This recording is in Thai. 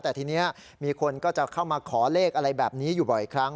แต่ทีนี้มีคนก็จะเข้ามาขอเลขอะไรแบบนี้อยู่บ่อยครั้ง